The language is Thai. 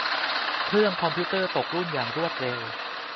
เครื่องคอมพิวเตอร์ตกรุ่นอย่างรวดเร็ว